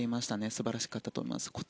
素晴らしかったと思います。